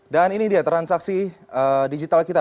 dan ini dia transaksi digital kita